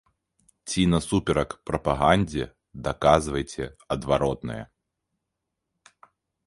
Ці насуперак прапагандзе, даказвайце адваротнае.